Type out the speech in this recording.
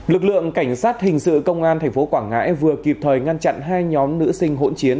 lực lượng cảnh sát hình sự công an tp quảng ngãi vừa kịp thời ngăn chặn hai nhóm nữ sinh hỗn chiến